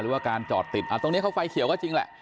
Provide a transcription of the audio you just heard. ว่าการจอดติดตรงนี้เขาไฟเขียวก็จริงแหละ